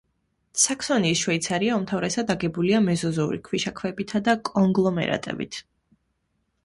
საქსონიის შვეიცარია უმთავრესად აგებულია მეზოზოური ქვიშაქვებითა და კონგლომერატებით.